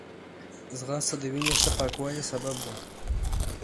ځغاسته د وینې ښه پاکوالي سبب ده